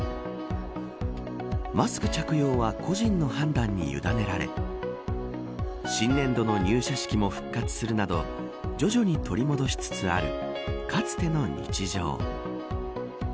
マスク着用は個人の判断に委ねられ新年度の入社式も復活するなど徐々に取り戻しつつあるかつての日常。